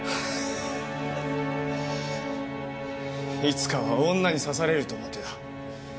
いつかは女に刺されると思ってた。